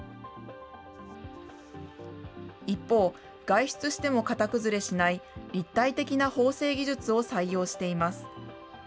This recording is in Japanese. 一方、外出しても型崩れしない、立体的な縫製技術を採用しています。